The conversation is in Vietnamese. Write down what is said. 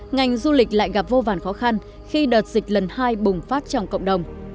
ngành du lịch lại gặp vô vàn khó khăn khi đợt dịch lần hai bùng phát trong cộng đồng